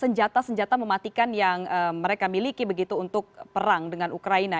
senjata senjata mematikan yang mereka miliki begitu untuk perang dengan ukraina